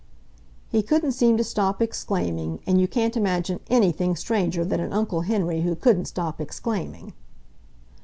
He couldn't seem to stop exclaiming, and you can't imagine anything stranger than an Uncle Henry who couldn't stop exclaiming.